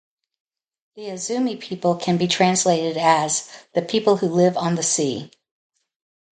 "The Azumi people" can be translated as "the people who live on the sea.